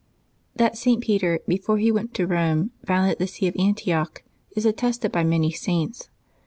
J^<HAT St. Peter, before he went to Eome, founded the Vw^ see of Antioch is attested by many Saints.